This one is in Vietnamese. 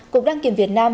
cục đăng kiểm việt nam